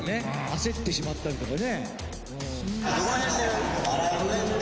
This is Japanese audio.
焦ってしまったりとかね。